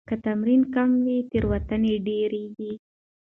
که تمرین کم وي، تېروتنه ډېريږي.